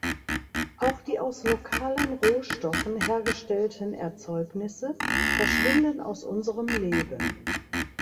Auch die aus lokalen Rohstoffen hergestellten Erzeugnisse verschwinden aus unserem Leben.